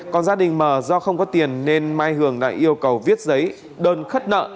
còn gia đình mờ do không có tiền nên mai hường đã yêu cầu viết giấy đơn khất nợ